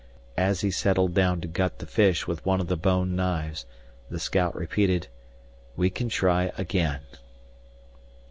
As he settled down to gut the fish with one of the bone knives, the scout repeated, "We can try again